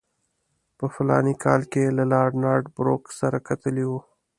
په فلاني کال کې یې له لارډ نارت بروک سره کتلي وو.